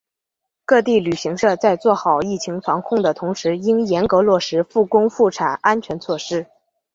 各地旅行社在做好疫情防控的同时应严格落实复工复产安全措施